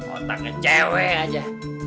otaknya cewek aja